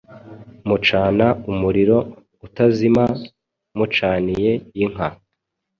Mucana umuriro utazima.mucaniye inka